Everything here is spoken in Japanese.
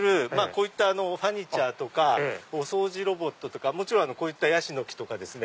こういったファーニチャーとかお掃除ロボットとかこういったヤシの木とか。